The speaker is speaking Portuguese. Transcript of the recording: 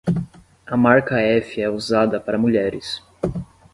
A marca F é usada para mulheres.